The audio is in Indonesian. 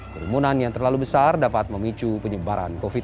kerumunan yang terlalu besar dapat memicu penyebaran covid sembilan belas